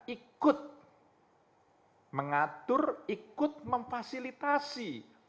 ikut mengatur ikut memfasilitasi